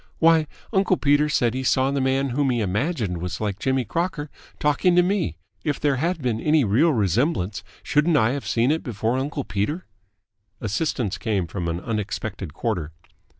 Why, uncle Peter said he saw the man whom he imagined was like Jimmy Crocker talking to me. If there had been any real resemblance, shouldn't I have seen it before uncle Peter?" Assistance came from an unexpected quarter.